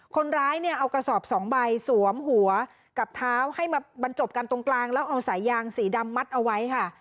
คนร้ายเนี่ยเอากระสอบสองใบสวมหัวกับเท้าให้มาบรรจบกันตรงกลางแล้วเอาสายยางสีดำมัดเอาไว้ค่ะ